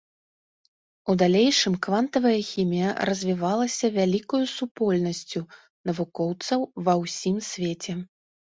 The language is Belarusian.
У далейшым квантавая хімія развівалася вялікаю супольнасцю навукоўцаў ва ўсім свеце.